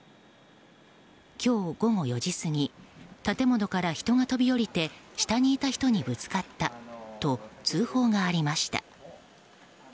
今日午後４時過ぎ建物から人が飛び降りて下にいた人にぶつかったと通報がありました。